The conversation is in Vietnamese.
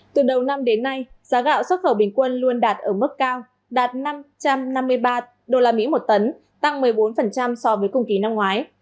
từ đầu năm đến nay giá gạo xuất khẩu bình quân luôn đạt ở mức cao đạt năm trăm năm mươi ba usd một tấn tăng một mươi bốn so với cùng kỳ năm ngoái